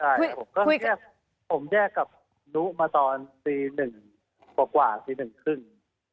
เออคุยกันใช่ผมก็แยกกับนุ๊กมาตอนตีหนึ่งกว่าตีหนึ่งครึ่ง